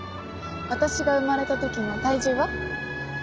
私が生まれた時の体重は？